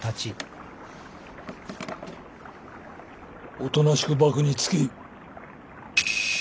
おとなしく縛につけ。